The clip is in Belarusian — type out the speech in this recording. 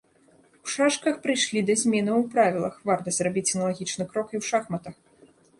У шашках прыйшлі да зменаў у правілах, варта зрабіць аналагічны крок і ў шахматах.